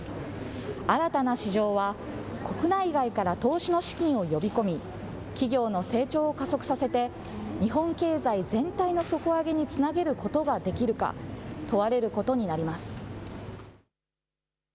新たな市場は国内外から投資の資金を呼び込み企業の成長を加速させて日本経済全体の底上げにつなげることができるか問われることになります。